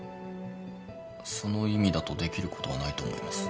その意味だとできることはないと思います。